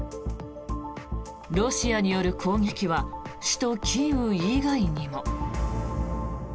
ロシアによる攻撃は首都キーウ以外にも。